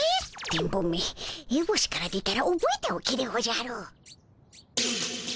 電ボめエボシから出たらおぼえておけでおじゃる。